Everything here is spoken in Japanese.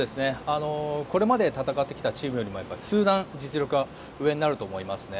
これまで戦ってきたチームよりも数段、実力は上になると思いますね。